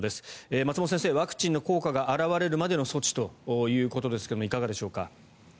松本先生、ワクチンの効果が表れるまでの措置ということですがいかがでしょうか。